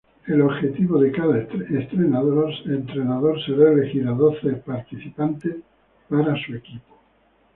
El objetivo de cada coach será elegir a doce participantes para sus equipos.